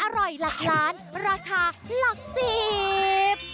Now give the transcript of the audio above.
หลักล้านราคาหลักสิบ